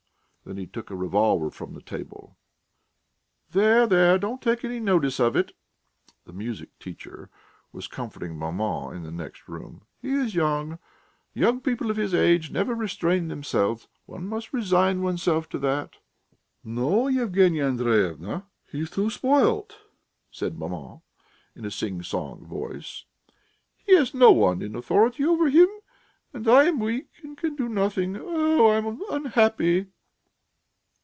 Then he took a revolver from the table.... "There, there! Don't take any notice of it." The music teacher was comforting maman in the next room. "He is young! Young people of his age never restrain themselves. One must resign oneself to that." "No, Yevgenya Andreyevna; he's too spoilt," said maman in a singsong voice. "He has no one in authority over him, and I am weak and can do nothing. Oh, I am unhappy!"